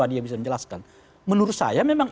dia bisa menjelaskan menurut saya memang